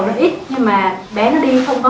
nó ít nhưng mà bé nó đi không có